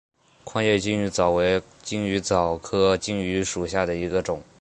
宽叶金鱼藻为金鱼藻科金鱼藻属下的一个种。